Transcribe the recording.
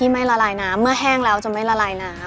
ไม่แต่คุณเบอล